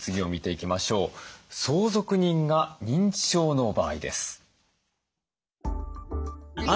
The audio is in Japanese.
相続人が認知症の場合です。